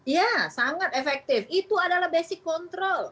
ya sangat efektif itu adalah basic control